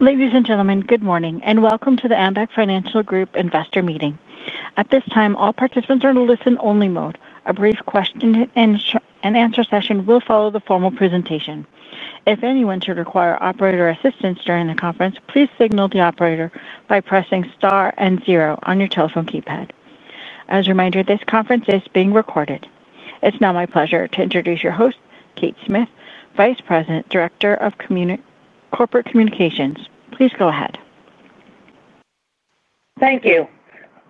Ladies and gentlemen, good morning and welcome to the Ambac Financial Group Investor Meeting. At this time, all participants are in a listen-only mode. A brief question and answer session will follow the formal presentation. If anyone should require operator assistance during the conference, please signal the operator by pressing star and zero on your telephone keypad. As a reminder, this conference is being recorded. It's now my pleasure to introduce your host, Kate Smith, Vice President, Director of Corporate Communications. Please go ahead. Thank you.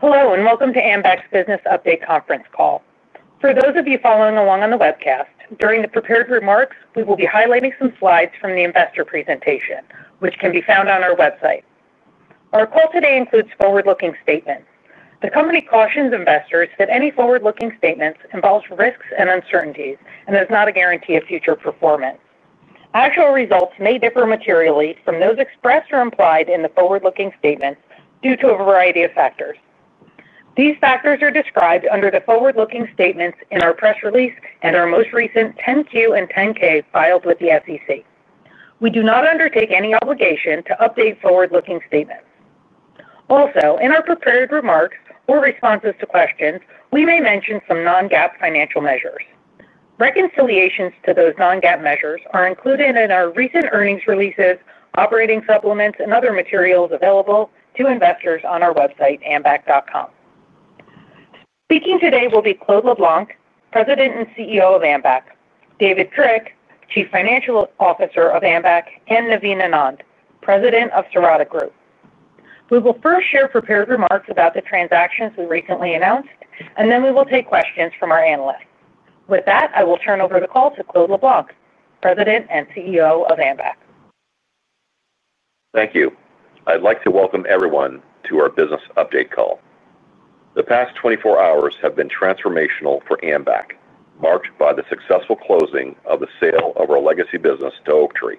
Hello and welcome to Ambac's Business Update Conference Call. For those of you following along on the webcast, during the prepared remarks, we will be highlighting some slides from the investor presentation, which can be found on our website. Our call today includes forward-looking statements. The company cautions investors that any forward-looking statements involve risks and uncertainties and are not a guarantee of future performance. Actual results may differ materially from those expressed or implied in the forward-looking statements due to a variety of factors. These factors are described under the forward-looking statements in our press release and our most recent 10-Q and 10-K filed with the SEC. We do not undertake any obligation to update forward-looking statements. Also, in our prepared remarks or responses to questions, we may mention some non-GAAP financial measures. Reconciliations to those non-GAAP measures are included in our recent earnings releases, operating supplements, and other materials available to investors on our website, ambac.com. Speaking today will be Claude LeBlanc, President and CEO of Ambac Financial Group; David Trick, Chief Financial Officer of Ambac; and Naveen Anand, President of Cirrata Group. We will first share prepared remarks about the transactions we recently announced, and then we will take questions from our analysts. With that, I will turn over the call to Claude LeBlanc, President and CEO of Ambac. Thank you. I'd like to welcome everyone to our Business Update Call. The past 24 hours have been transformational for Ambac, marked by the successful closing of the sale of our legacy business to Oaktree.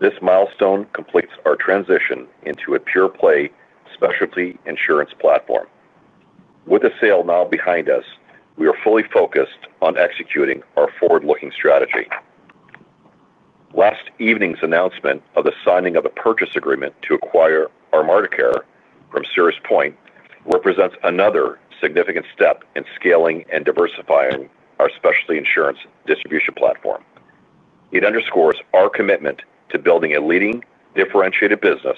This milestone completes our transition into a pure-play specialty insurance platform. With the sale now behind us, we are fully focused on executing our forward-looking strategy. Last evening's announcement of the signing of a purchase agreement to acquire ArmadaCare from Cirrus Pointe represents another significant step in scaling and diversifying our specialty insurance distribution platform. It underscores our commitment to building a leading, differentiated business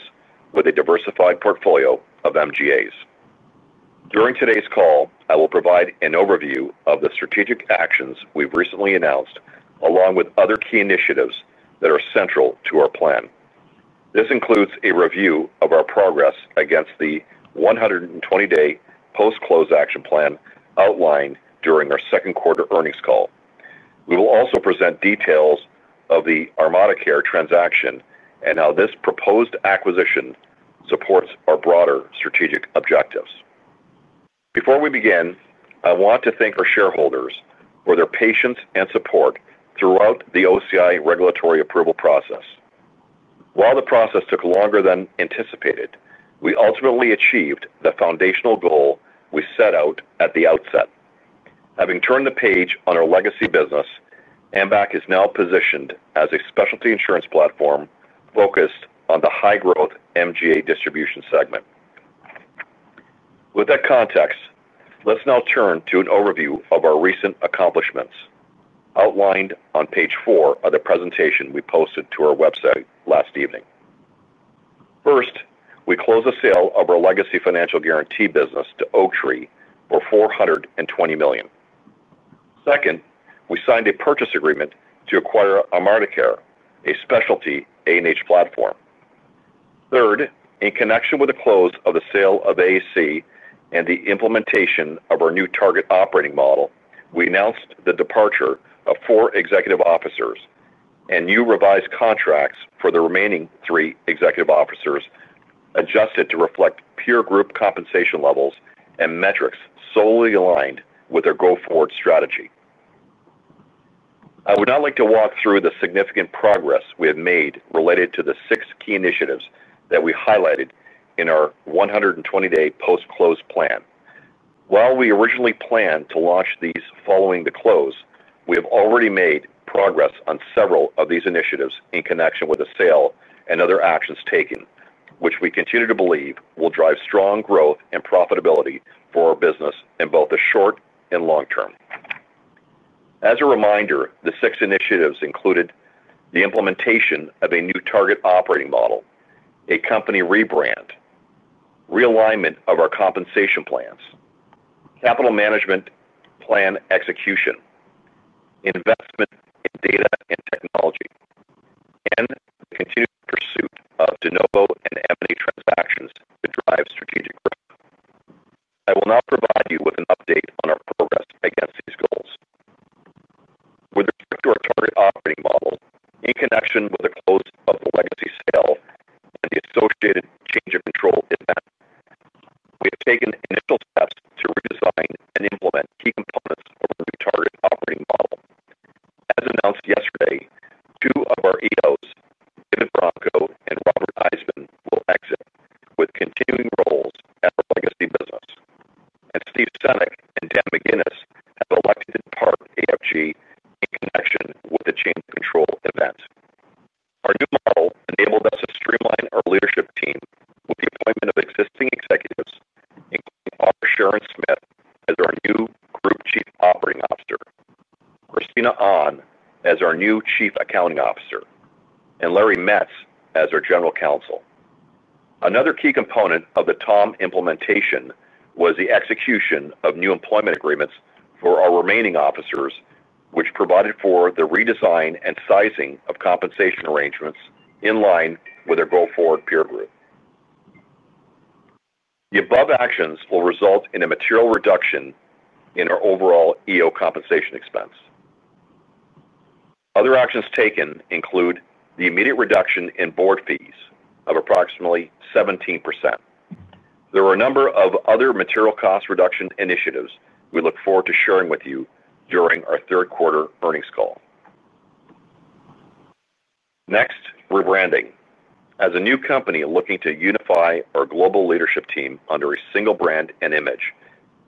with a diversified portfolio of MGAs. During today's call, I will provide an overview of the strategic actions we've recently announced, along with other key initiatives that are central to our plan. This includes a review of our progress against the 120-day post-close action plan outlined during our Second Quarter Earnings Call. We will also present details of the ArmadaCare transaction and how this proposed acquisition supports our broader strategic objectives. Before we begin, I want to thank our shareholders for their patience and support throughout the OCI regulatory approval process. While the process took longer than anticipated, we ultimately achieved the foundational goal we set out at the outset. Having turned the page on our legacy business, Ambac is now positioned as a specialty insurance platform focused on the high-growth MGA distribution segment. With that context, let's now turn to an overview of our recent accomplishments outlined on page four of the presentation we posted to our website last evening. First, we closed the sale of our legacy financial guarantee business to Oaktree for $420 million. Second, we signed a purchase agreement to acquire ArmadaCare, a specialty A&H platform. Third, in connection with the close of the sale of AAC and the implementation of our new target operating model, we announced the departure of four executive officers and new revised contracts for the remaining three executive officers, adjusted to reflect peer group compensation levels and metrics solely aligned with our go-forward strategy. I would now like to walk through the significant progress we have made related to the six key initiatives that we highlighted in our 120-day post-close plan. While we originally planned to launch these following the close, we have already made progress on several of these initiatives in connection with the sale and other actions taken, which we continue to believe will drive strong growth and profitability for our business in both the short and long-term. As a reminder, the six initiatives included the implementation of a new target operating model, a company rebrand, realignment of our compensation plans, capital management plan execution, investment in data and technology, and the continued pursuit of de novo and M&A transactions to drive strategic growth. I will now provide you with an update on our progress against these goals. With respect to our target operating model, in connection with the Other actions taken include the immediate reduction in board fees of approximately 17%. There are a number of other material cost reduction initiatives we look forward to sharing with you during our Third Quarter Earnings Call. Next, rebranding. As a new company looking to unify our global leadership team under a single brand and image,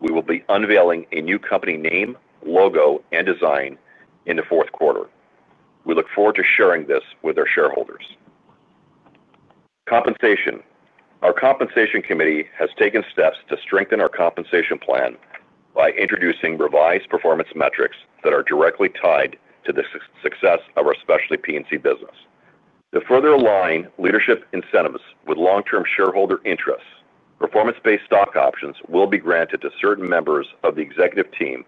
we will be unveiling a new company name, logo, and design in the fourth quarter. We look forward to sharing this with our shareholders. Compensation. Our compensation committee has taken steps to strengthen our compensation plan by introducing revised performance metrics that are directly tied to the success of our Specialty P&C Insurance business. To further align leadership incentives with long-term shareholder interests, performance-based stock options will be granted to certain members of the executive team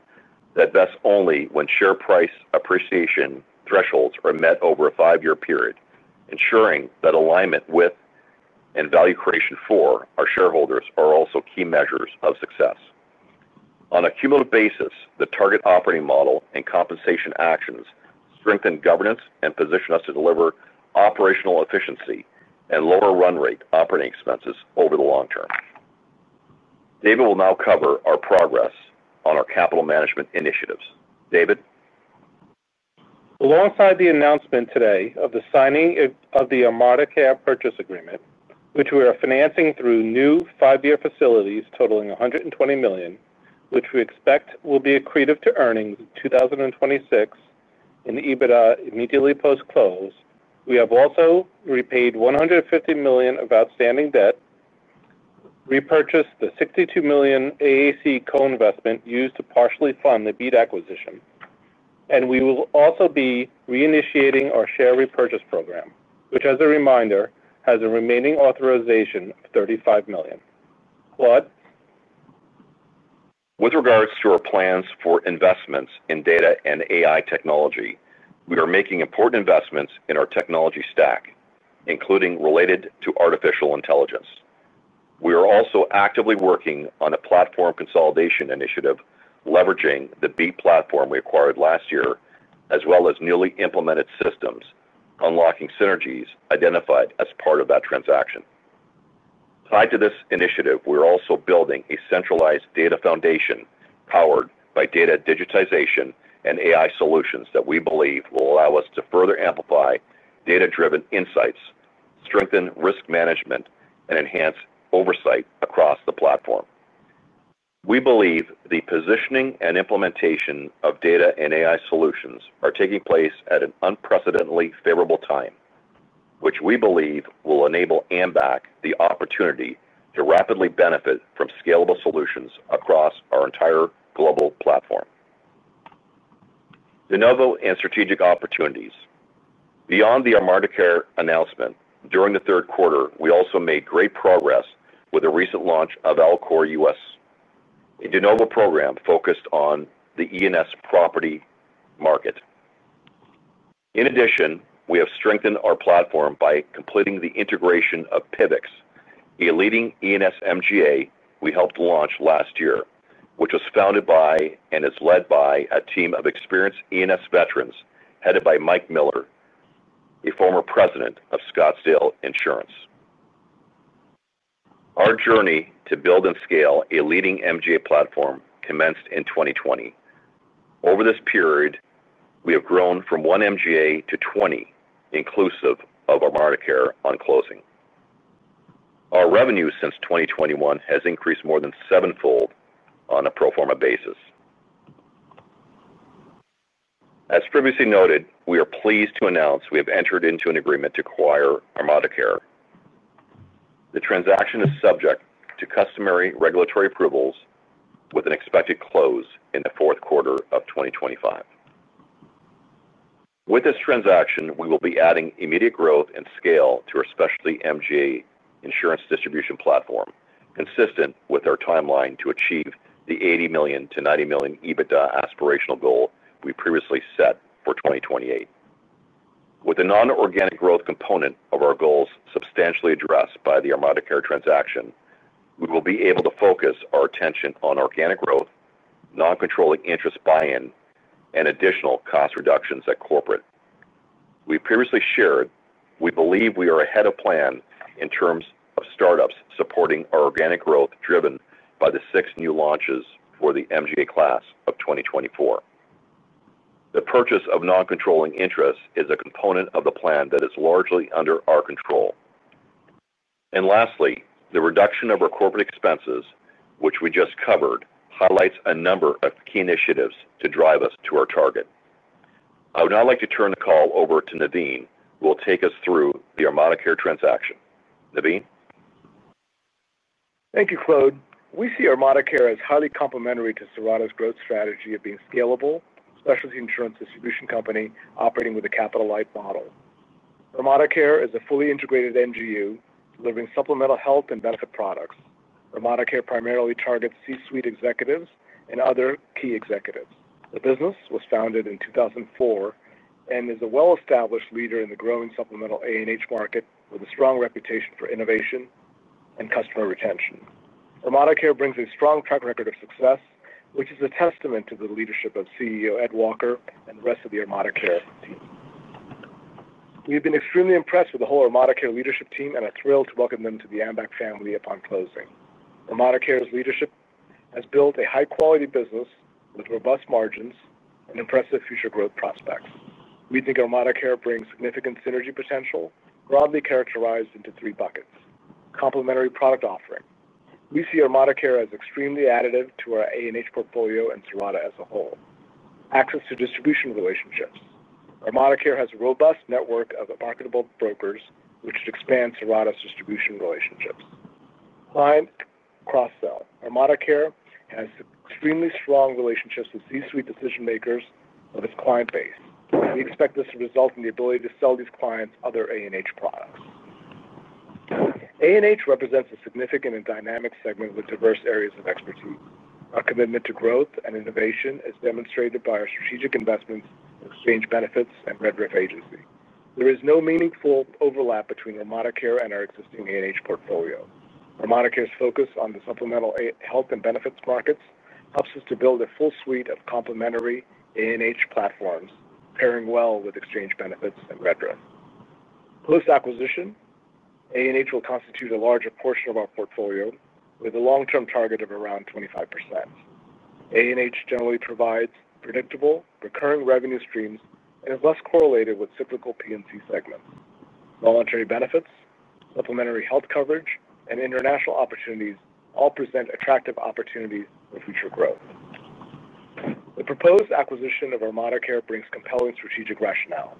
that vest only when share price appreciation thresholds are met over a five-year period, ensuring that alignment with and value creation for our shareholders are also key measures of success. On a cumulative basis, the target operating model and compensation actions strengthen governance and position us to deliver operational efficiency and lower run rate operating expenses over the long term. David will now cover our progress on our capital management initiatives. David? Alongside the announcement today of the signing of the ArmadaCare purchase agreement, which we are financing through new five-year facilities totaling $120 million, which we expect will be accretive to earnings in 2026 and EBITDA immediately post-close, we have also repaid $150 million of outstanding debt, repurchased the $62 million AAC co-investment used to partially fund the Beat acquisition, and we will also be reinitiating our share repurchase program, which, as a reminder, has a remaining authorization of $35 million. Claude? With regards to our plans for investments in data and AI technology, we are making important investments in our technology stack, including related to artificial intelligence. We are also actively working on a platform consolidation initiative, leveraging the Beat platform we acquired last year, as well as newly implemented systems, unlocking synergies identified as part of that transaction. Tied to this initiative, we are also building a centralized data foundation powered by data digitization and AI solutions that we believe will allow us to further amplify data-driven insights, strengthen risk management, and enhance oversight across the platform. We believe the positioning and implementation of data and AI solutions are taking place at an unprecedentedly favorable time, which we believe will enable Ambac the opportunity to rapidly benefit from scalable solutions across our entire global platform. De novo and strategic opportunities. Beyond the ArmadaCare announcement during the third quarter, we also made great progress with the recent launch of [LCORUS], a de novo program focused on the E&S property market. In addition, we have strengthened our platform by completing the integration of Pivix, a leading E&S MGA we helped launch last year, which was founded by and is led by a team of experienced E&S veterans headed by Mike Miller, a former President of Scottsdale Insurance. Our journey to build and scale a leading MGA platform commenced in 2020. Over this period, we have grown from one MGA to 20, inclusive of ArmadaCare on closing. Our revenue since 2021 has increased more than sevenfold on a pro forma basis. As previously noted, we are pleased to announce we have entered into an agreement to acquire ArmadaCare. The transaction is subject to customary regulatory approvals with an expected close in the Fourth Quarter of 2025. With this transaction, we will be adding immediate growth and scale to our specialty MGA insurance distribution platform, consistent with our timeline to achieve the $80 million-$90 million EBITDA aspirational goal we previously set for 2028. With the non-organic growth component of our goals substantially addressed by the ArmadaCare transaction, we will be able to focus our attention on organic growth, non-controlling interest buy-in, and additional cost reductions at corporate. We previously shared we believe we are ahead of plan in terms of startups supporting our organic growth driven by the six new launches for the MGA class of 2024. The purchase of non-controlling interests is a component of the plan that is largely under our control. Lastly, the reduction of our corporate expenses, which we just covered, highlights a number of key initiatives to drive us to our target. I would now like to turn the call over to Naveen, who will take us through the ArmadaCare transaction. Naveen? Thank you, Claude. We see ArmadaCare as highly complementary to Cirrata's growth strategy of being a scalable specialty insurance distribution company operating with a capital-light model. ArmadaCare is a fully integrated MGU delivering supplemental health and benefit products. ArmadaCare primarily targets C-suite executives and other key executives. The business was founded in 2004 and is a well-established leader in the growing supplemental A&H market with a strong reputation for innovation and customer retention. ArmadaCare brings a strong track record of success, which is a testament to the leadership of CEO Ed Walker and the rest of the ArmadaCare team. We've been extremely impressed with the whole ArmadaCare leadership team and are thrilled to welcome them to the Ambac family upon closing. ArmadaCare's leadership has built a high-quality business with robust margins and impressive future growth prospects. We think ArmadaCare brings significant synergy potential, broadly characterized into three buckets: complementary product offering. We see ArmadaCare as extremely additive to our A&H portfolio and Cirrata as a whole. Access to distribution relationships. ArmadaCare has a robust network of marketable brokers, which expand Serata's distribution relationships. Client cross-sell. ArmadaCare has extremely strong relationships with C-suite decision-makers of this client base. We expect this to result in the ability to sell these clients other A&H products. A&H represents a significant and dynamic segment with diverse areas of expertise. Our commitment to growth and innovation is demonstrated by our strategic investments in exchange benefits and Red Rift agency. There is no meaningful overlap between ArmadaCare and our existing A&H portfolio. ArmadaCare's focus on the supplemental health and benefits markets helps us to build a full suite of complementary A&H platforms, pairing well with exchange benefits and Red Rift. Post-acquisition, A&H will constitute a larger portion of our portfolio with a long-term target of around 25%. A&H generally provides predictable, recurring revenue streams and is thus correlated with cyclical P&C segments. Voluntary benefits, supplementary health coverage, and international opportunities all present attractive opportunities for future growth. The proposed acquisition of ArmadaCare brings compelling strategic rationale.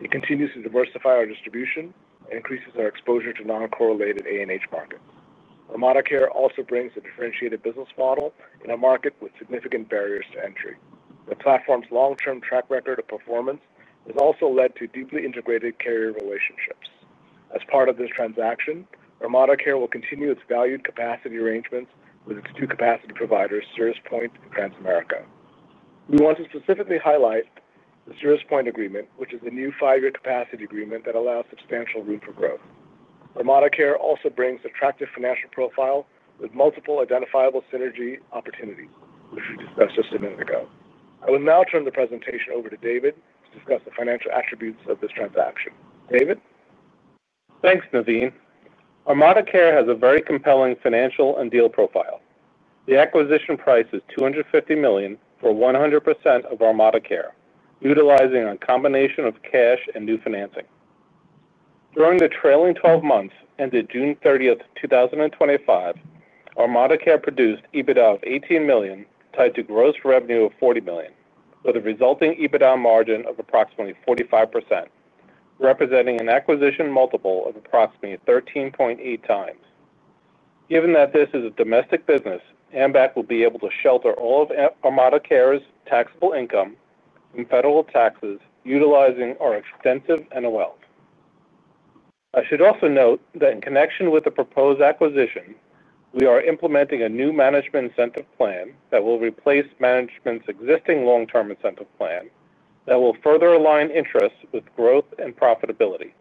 It continues to diversify our distribution and increases our exposure to non-correlated A&H markets. ArmadaCare also brings a differentiated business model in a market with significant barriers to entry. The platform's long-term track record of performance has also led to deeply integrated carrier relationships. As part of this transaction, ArmadaCare will continue its valued capacity arrangements with its two capacity providers, Cirrus Pointe and Transamerica. We want to specifically highlight the Cirrus Pointe agreement, which is the new five-year capacity agreement that allows substantial room for growth. ArmadaCare also brings an attractive financial profile with multiple identifiable synergy opportunities, which we discussed just a minute ago. I will now turn the presentation over to David to discuss the financial attributes of this transaction. David? Thanks, Naveen. ArmadaCare has a very compelling financial and deal profile. The acquisition price is $250 million for 100% of ArmadaCare, utilizing a combination of cash and new financing. During the trailing 12 months, ended June 30th, 2025, ArmadaCare produced EBITDA of $18 million, tied to gross revenue of $40 million, with a resulting EBITDA margin of approximately 45%, representing an acquisition multiple of approximately 13.8 times. Given that this is a domestic business, Ambac Financial Group will be able to shelter all of ArmadaCare's taxable income from federal taxes, utilizing our extensive NOLs. I should also note that in connection with the proposed acquisition, we are implementing a new management incentive plan that will replace management's existing long-term incentive plan that will further align interests with growth and profitability.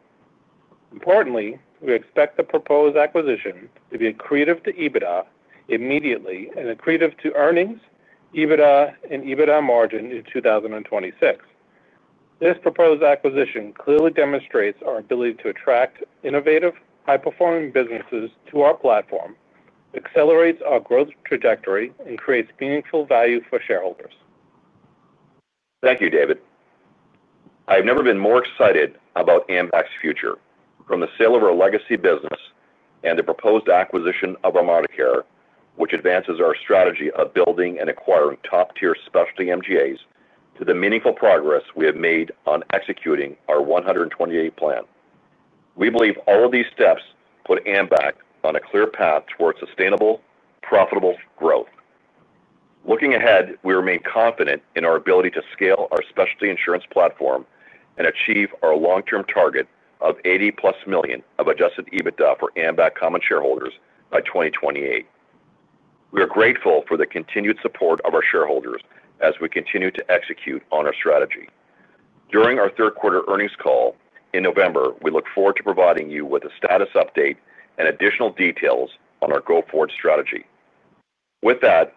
Importantly, we expect the proposed acquisition to be accretive to EBITDA immediately and accretive to earnings, EBITDA, and EBITDA margin in 2026. This proposed acquisition clearly demonstrates our ability to attract innovative, high-performing businesses to our platform, accelerates our growth trajectory, and creates meaningful value for shareholders. Thank you, David. I have never been more excited about Ambac's future from the sale of our legacy business and the proposed acquisition of ArmadaCare, which advances our strategy of building and acquiring top-tier specialty MGAs to the meaningful progress we have made on executing our 120-day plan. We believe all of these steps put Ambac on a clear path towards sustainable, profitable growth. Looking ahead, we remain confident in our ability to scale our specialty insurance platform and achieve our long-term target of $80+ million of adjusted EBITDA for Ambac common shareholders by 2028. We are grateful for the continued support of our shareholders as we continue to execute on our strategy. During our Third Quarter Earnings Call in November, we look forward to providing you with a status update and additional details on our go-forward strategy. With that,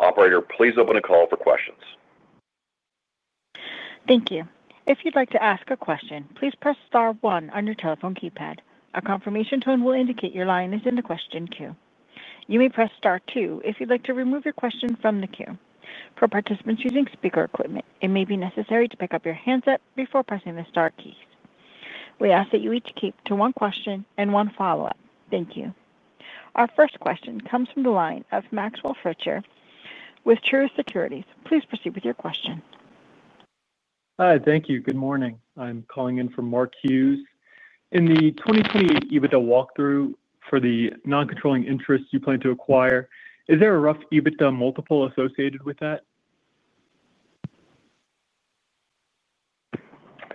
operator, please open the call for questions. Thank you. If you'd like to ask a question, please press star one on your telephone keypad. A confirmation tone will indicate your line is in the question queue. You may press star two if you'd like to remove your question from the queue. For participants using speaker equipment, it may be necessary to pick up your handset before pressing the star keys. We ask that you each keep to one question and one follow-up. Thank you. Our first question comes from the line of Maxwell Fritscher with Truist Securities. Please proceed with your question. Hi. Thank you. Good morning. I'm calling in from Mark Hughes. In the 2020 EBITDA walkthrough for the non-controlling interests you plan to acquire, is there a rough EBITDA multiple associated with that?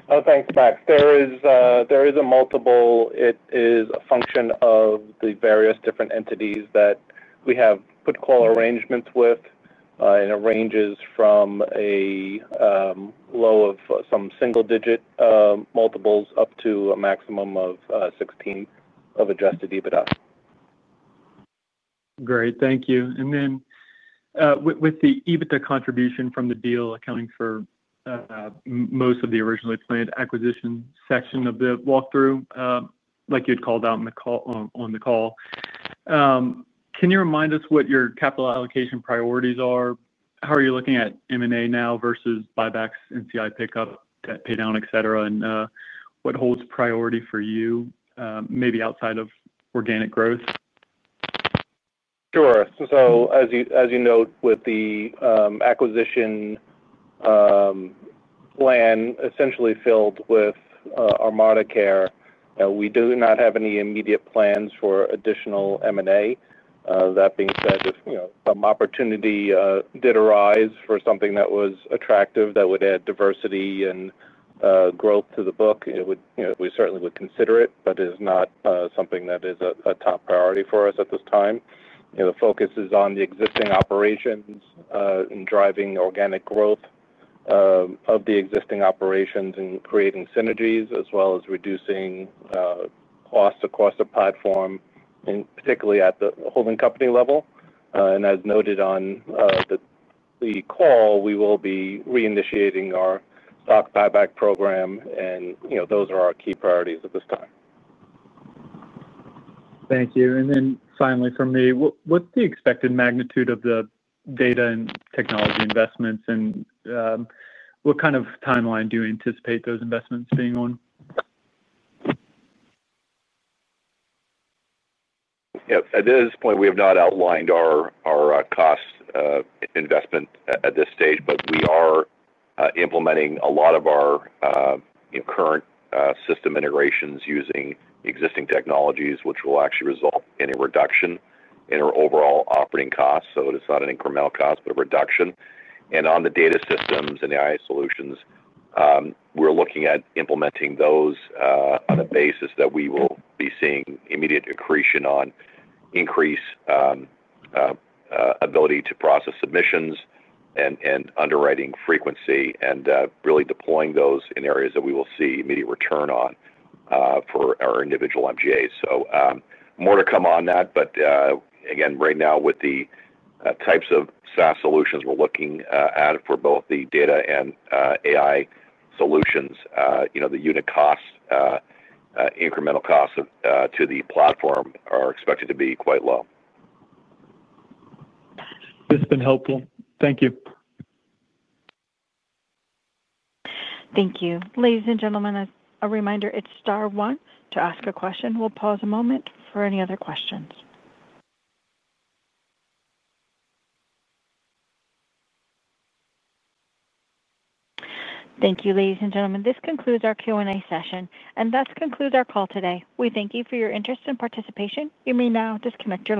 I think that there is a multiple. It is a function of the various different entities that we have put call arrangements with, and it ranges from a low of some single-digit multiples up to a maximum of 16 of adjusted EBITDA. Great. Thank you. With the EBITDA contribution from the deal accounting for most of the originally planned acquisition section of the walkthrough, like you had called out on the call, can you remind us what your capital allocation priorities are? How are you looking at M&A now versus buybacks, NCI pickup, paydown, etc., and what holds priority for you, maybe outside of organic growth? Sure. As you note, with the acquisition land essentially filled with ArmadaCare, we do not have any immediate plans for additional M&A. That being said, if some opportunity did arise for something that was attractive that would add diversity and growth to the book, we certainly would consider it, but it is not something that is a top priority for us at this time. The focus is on the existing operations and driving organic growth of the existing operations and creating synergies, as well as reducing costs across the platform, particularly at the holding company level. As noted on the call, we will be reinitiating our stock buyback program, and those are our key priorities at this time. Thank you. Finally, for me, what's the expected magnitude of the data and technology investments, and what kind of timeline do you anticipate those investments being on? At this point, we have not outlined our cost investment at this stage, but we are implementing a lot of our current system integrations using the existing technologies, which will actually result in a reduction in our overall operating costs. It is not an incremental cost, but a reduction. On the data systems and AI solutions, we're looking at implementing those on a basis that we will be seeing immediate accretion on, increased ability to process submissions and underwriting frequency, and really deploying those in areas that we will see immediate return on for our individual MGAs. More to come on that. Right now, with the types of SaaS solutions we're looking at for both the data and AI solutions, the unit cost, incremental costs to the platform are expected to be quite low. This has been helpful. Thank you. Thank you. Ladies and gentlemen, as a reminder, it's star one to ask a question. We'll pause a moment for any other questions. Thank you, ladies and gentlemen. This concludes our Q&A session, and thus concludes our call today. We thank you for your interest and participation. You may now disconnect.